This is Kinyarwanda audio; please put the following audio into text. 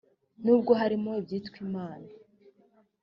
nubwo hariho ibyitwa imana